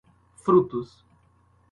frutos